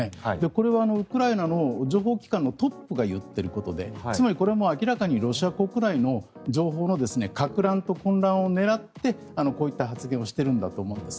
これはウクライナの情報機関のトップが言っていることでつまりこれは明らかにロシア国内の情報のかく乱と混乱を狙ってこういった発言をしているんだと思います。